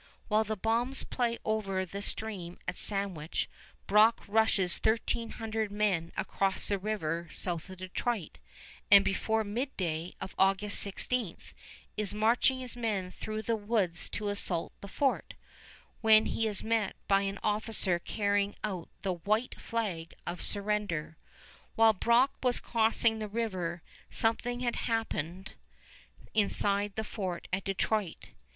While the bombs play over the stream at Sandwich, Brock rushes thirteen hundred men across the river south of Detroit, and before midday of August 16 is marching his men through the woods to assault the fort, when he is met by an officer carrying out the white flag of surrender. While Brock was crossing the river, something had happened inside the fort at Detroit.